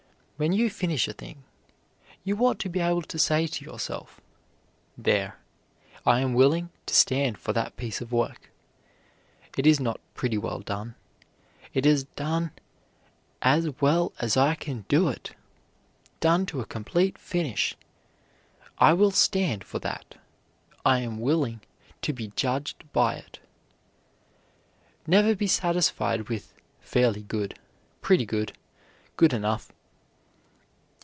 When you finish a thing you ought to be able to say to yourself: "There, I am willing to stand for that piece of work. It is not pretty well done; it is done as well as I can do it; done to a complete finish. I will stand for that. I am willing to be judged by it." Never be satisfied with "fairly good," "pretty good," "good enough."